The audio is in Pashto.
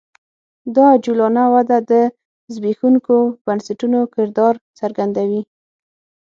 دا عجولانه وده د زبېښونکو بنسټونو کردار څرګندوي